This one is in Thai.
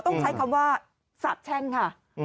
ต้องใช้คำว่าสาบแช่งค่ะ